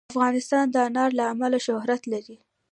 افغانستان د انار له امله شهرت لري.